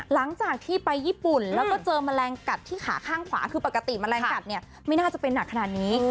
หลังจากที่ไปญี่ปุ่นแล้วก็เจอแมลงกัดที่ขาข้างขวาคือปกติแมลงกัดเนี่ยไม่น่าจะเป็นหนักขนาดนี้